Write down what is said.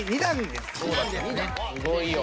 すごいよ。